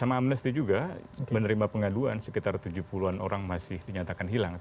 sama amnesty juga menerima pengaduan sekitar tujuh puluh an orang masih dinyatakan hilang